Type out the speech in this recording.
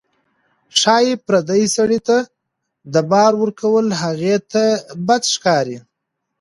ښایي پردي سړي ته د بار ورکول هغې ته بد ښکاري.